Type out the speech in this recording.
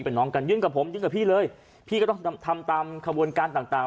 เป็นน้องกันยื่นกับผมยื่นกับพี่เลยพี่ก็ต้องทำตามขบวนการต่างต่าง